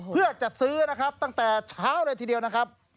เพื่อจัดซื้อนะครับตั้งแต่เช้าเลยทีเดียวนะครับ